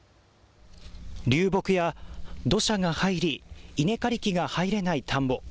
流木や土砂が入り稲刈り機が入れない田んぼ。